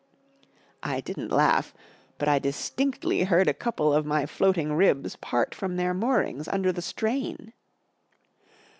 *?* O I didn't laugh, but I distinctly heard a couple of my floating ribs part from their moorings under the strain.